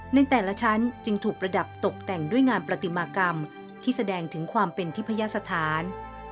ในแต่ละชั้นจึงถูกประดับตกแต่งด้วยงานประติมากรรมที่แสดงถึงความเป็นทิพยสถาน